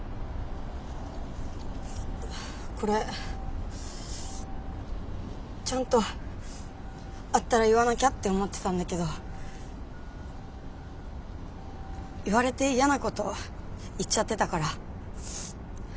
これちゃんと会ったら言わなきゃって思ってたんだけど言われてやなこと言っちゃってたから。